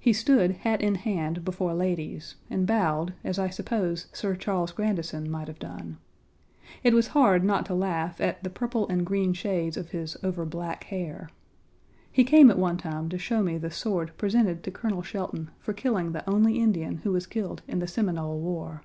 He stood hat in hand before ladies and bowed as I suppose Sir Charles Grandison might have done. It was hard not to laugh at the purple and green shades of his overblack hair. He came at one time to show me the sword presented to Colonel Shelton for killing the only Indian who was killed in the Seminole war.